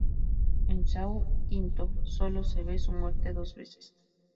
En "Saw V" solo se ve su muerte dos veces.